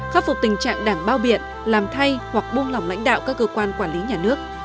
khắc phục tình trạng đảng bao biện làm thay hoặc buông lỏng lãnh đạo các cơ quan quản lý nhà nước